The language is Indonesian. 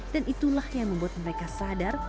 dan itulah yang membuat mereka sadar